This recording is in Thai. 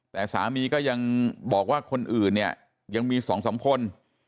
แต่สามีก็ยังบอกว่าคนอื่นเนี่ยยังมี๒๓คน